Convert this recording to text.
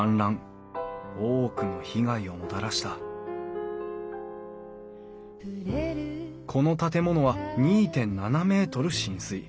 多くの被害をもたらしたこの建物は２．７ｍ浸水。